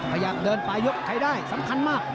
ขยับเดินไปยกไขได้สำคัญมาก